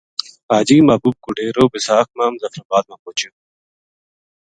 حاجی محبوب کو ڈیرو بِساکھ ما مظفرآباد ما پوہچیو